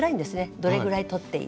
どれぐらい取っていい。